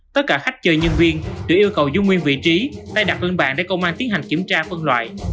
tất cả khách chơi nhân viên đều yêu cầu giữ nguyên vị trí tay đặt bên bàn để công an tiến hành kiểm tra phân loại